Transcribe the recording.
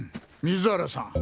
水原さん。